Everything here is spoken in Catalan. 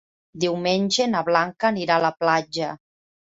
Diumenge na Blanca anirà a la platja.